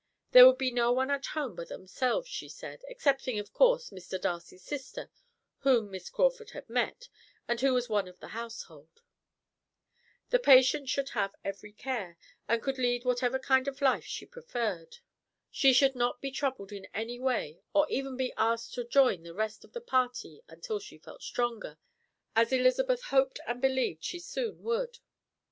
There would be no one at home but themselves, she said, excepting, of course, Mr. Darcy's sister, whom Miss Crawford had met, and who was one of the household; the patient should have every care, and could lead whatever kind of life she preferred; she should not be troubled in any way, or even be asked to join the rest of the party, until she felt stronger, as Elizabeth hoped and believed she soon would.